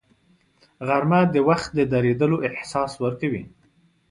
غرمه د وخت د درېدلو احساس ورکوي